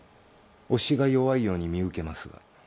押しが弱いように見受けますが。